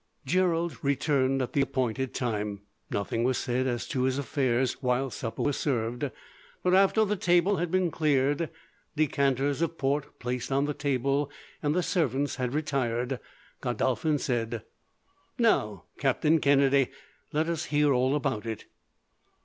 Gerald returned at the appointed time. Nothing was said as to his affairs while supper was served, but after the table had been cleared, decanters of port placed on the table, and the servants had retired, Godolphin said: "Now, Captain Kennedy, let us hear all about it."